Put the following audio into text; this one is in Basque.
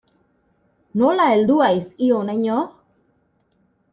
Nola heldu haiz hi honaino?